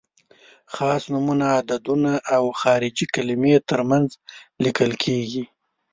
خاص نومونه، عددونه او خارجي کلمې تر منځ لیکل کیږي.